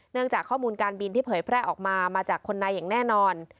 จากข้อมูลการบินที่เผยแพร่ออกมามาจากคนในอย่างแน่นอน